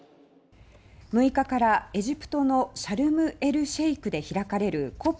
６日からエジプトのシャルムエルシェイクで開かれるＣＯＰ